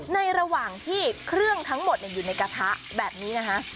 ในระหว่างที่เครื่องทั้งหมดอยู่ในกระทะแบบนี้นะคะ